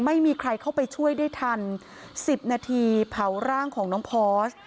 ไม่มีใครเข้าไปช่วยได้ทัน๑๐นาทีเผาร่างของน้องพอร์ส